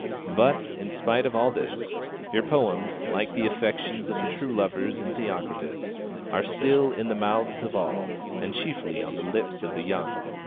But, in spite of all this, your poems, like the affections of the true lovers in Theocritus, are still 'in the mouths of all, and chiefly on the lips of the young.'